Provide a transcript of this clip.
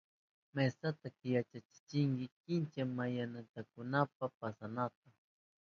Mesata kichkiyachinki kincha mayanmaatipanankunapa pasanata.